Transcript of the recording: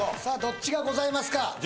さあどっちがございますか？